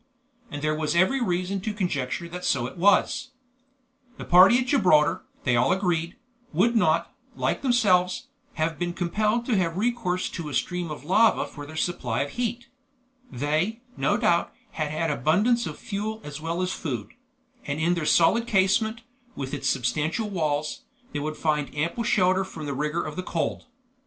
And there was every reason to conjecture that so it was. The party at Gibraltar, they all agreed, would not, like themselves, have been compelled to have recourse to a stream of lava for their supply of heat; they, no doubt, had had abundance of fuel as well as food; and in their solid casemate, with its substantial walls, they would find ample shelter from the rigor of the cold.